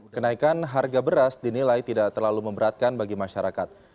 kenaikan harga beras dinilai tidak terlalu memberatkan bagi masyarakat